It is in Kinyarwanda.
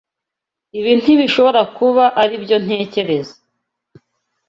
Ibi ntibishobora kuba aribyo ntekereza.